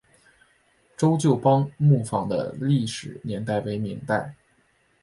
周旧邦木坊的历史年代为明代。